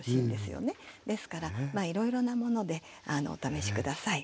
ですからまあいろいろなものでお試し下さい。